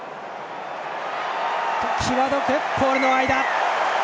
際どく、ポールの間！